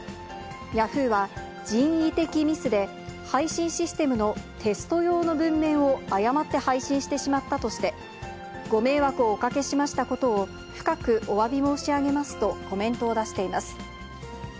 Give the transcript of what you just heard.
ヤフーは、人為的ミスで、配信システムのテスト用の文面を誤って配信してしまったとして、ご迷惑をおかけしましたことを深くおわび申し上げますとコメント